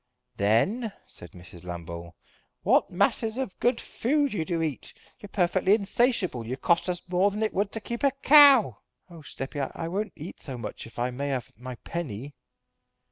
"Then," said Mrs. Lambole, "what masses of good food you do eat. You're perfectly insatiable. You cost us more than it would to keep a cow." "Oh, steppy, I won't eat so much if I may have my penny!"